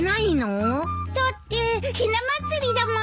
だってひな祭りだもん。